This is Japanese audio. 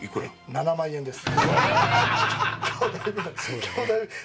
７万円です。